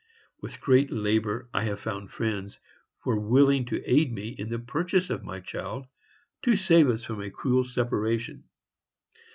With great labor, I have found friends who are willing to aid me in the purchase of my child, to save us from a cruel separation.